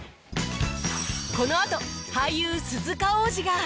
このあと俳優鈴鹿央士が